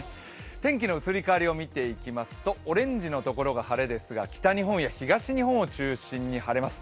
天気の移り変わりを見ていきますとオレンジのところが晴れですが北日本や東日本を中心に晴れます。